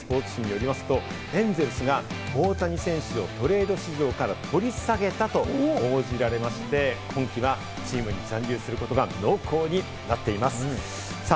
現地のスポーツ誌によりますと、エンゼルスが大谷選手をトレード市場から取り下げたと報じられまして、今季はチームに残留することが濃厚になっています。